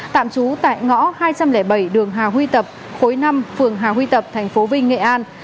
tạm trú tại ngõ hai trăm linh bảy đường hà huy tập khối năm phường hà huy tập thành phố vinh nghệ an